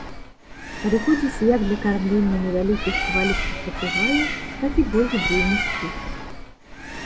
Падыходзіць як для кармлення невялікіх хвалістых папугаяў, так і больш буйных птушак.